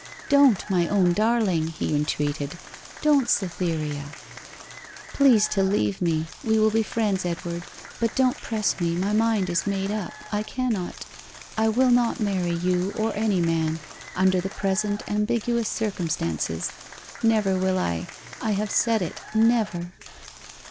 'Don't, my own darling!' he entreated. 'Don't, Cytherea!' 'Please to leave me we will be friends, Edward but don't press me my mind is made up I cannot I will not marry you or any man under the present ambiguous circumstances never will I I have said it: never!